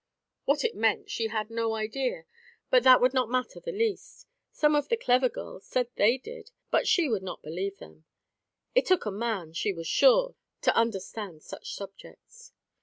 What it meant she had no idea, but that would not matter the least; some of the clever girls said they did, but she would not believe them; it took a man, she was sure, to understand such subjects.